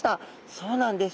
そうなんです。